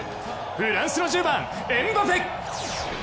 フランスの１０番・エムバペ。